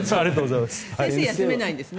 先生は休めないんですね。